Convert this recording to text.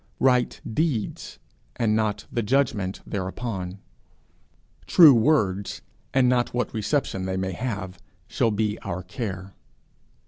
Bight deeds, and not the judgment thereupon; true words, and not what reception they may have, shall be our care.